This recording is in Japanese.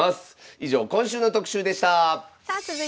以上今週の特集でした！